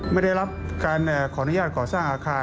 ไม่ได้รับการขออนุญาตก่อสร้างอาคาร